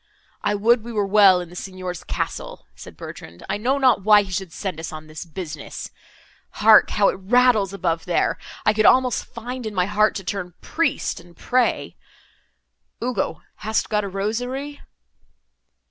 "I would we were well in the Signor's castle!" said Bertrand, "I know not why he should send us on this business. Hark! how it rattles above, there! I could almost find in my heart to turn priest, and pray. Ugo, hast got a rosary?"